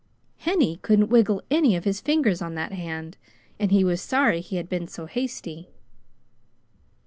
Henny couldn't wiggle any of his fingers on that hand and he was sorry he had been so hasty.